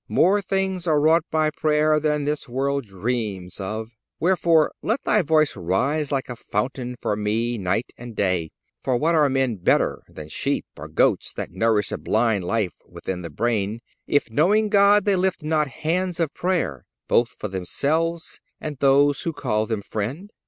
More things are wrought by prayer Than this world dreams of. Wherefore, let thy voice Rise like a fountain for me night and day. For what are men better than sheep or goats That nourish a blind life within the brain, If knowing God they lift not hands of prayer Both for themselves and those who call them friend?